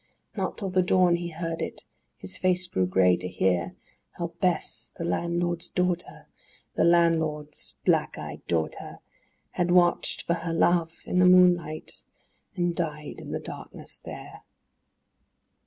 Not till the dawn he heard it, his face grew grey to hear How Bess, the landlord's daughter, The landlord's black eyed daughter, Had watched for her love in the moonlight, and died in the darkness there.